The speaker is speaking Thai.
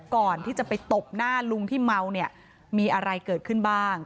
ก่อนที่จะไปตบหน้าลุงที่เมาเนี่ยมีอะไรเกิดขึ้นบ้าง